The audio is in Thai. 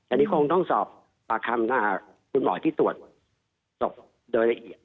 อันนี้คงต้องสอบปากคำคุณหมอที่ตรวจศพโดยละเอียด